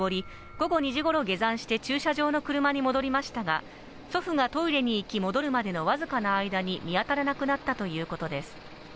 午後２時ごろ、下山して駐車場の車に戻りましたが祖父がトイレに行き、戻るまでのわずかな間に見当たらなくなったということです。